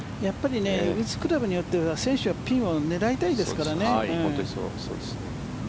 打つクラブによっては選手はピンを狙いたいですからね。